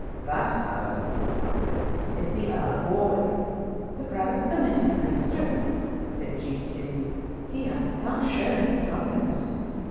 "That, madam," said Humfrey, "is the Earl of Warwick." "The brother of the minion Leicester?" said Jean Kennedy. "He hath scant show of his comeliness."